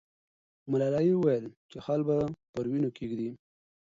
ملالۍ وویل چې خال به پر وینو کښېږدي.